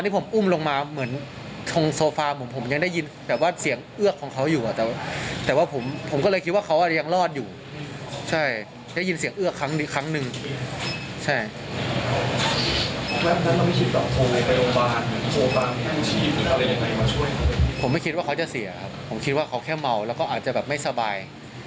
ผมไม่คิดว่าเขาจะเสียครับผมคิดว่าเขาแค่เมาแล้วก็อาจจะแบบไม่สบาย